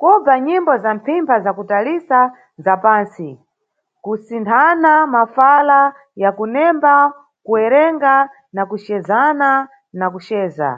Kubva nyimbo za mphimpha za kutalitsa za pansti, kusinthana mafala ya kunemba kuwerenga na kujedzana na kuceza.